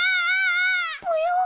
ぽよ？